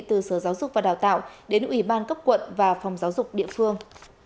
từ sở giáo dục và đào tạo đến ủy ban cấp quận và phòng giáo dục địa phương